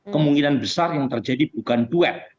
kemungkinan besar yang terjadi bukan duet